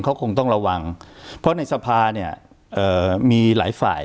เขาคงต้องระวังเพราะในสภาเนี่ยมีหลายฝ่าย